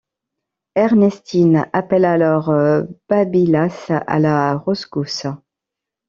Ernestine appelle alors Babylas à la rescousse.